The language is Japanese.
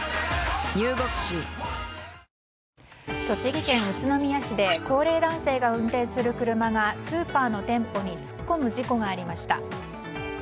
栃木県宇都宮市で高齢男性が運転する車がスーパーの店舗に突っ込む事故がありました。